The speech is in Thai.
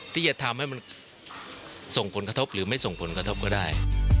ที่จะทำให้มันส่งผลกระทบหรือไม่ส่งผลกระทบก็ได้